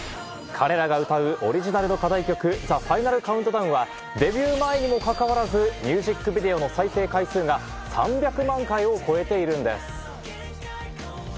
彼らが歌うオリジナルの課題曲、『ＴｈｅＦｉｎａｌＣｏｕｎｔｄｏｗｎ』はデビュー前にもかかわらず、ミュージックビデオの再生回数が３００万回を超えているんです。